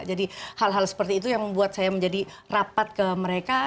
jadi hal hal seperti itu yang membuat saya menjadi rapat ke mereka